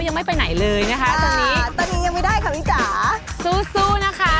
ยังไม่ไปไหนเลยนะคะตอนนี้ตอนนี้ยังไม่ได้ค่ะพี่จ๋าสู้นะคะ